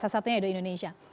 satu satunya adalah indonesia